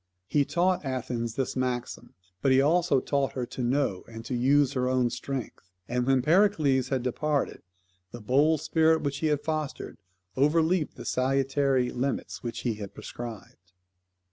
He taught Athens this maxim; but he also taught her to know and to use her own strength, and when Pericles had departed the bold spirit which he had fostered overleaped the salutary limits which he had prescribed.